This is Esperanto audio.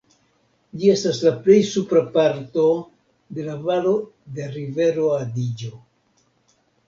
Ĝi estas la plej supra parto de la valo de rivero Adiĝo.